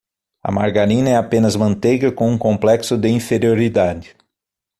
A margarina é apenas manteiga com um complexo de inferioridade.